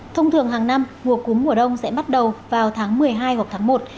thông thường hàng năm mùa cúm mùa đông sẽ bắt đầu vào tháng một mươi hai hoặc tháng một